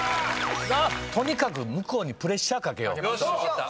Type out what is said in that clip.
とにかく向こうにプレッシャーかけよう。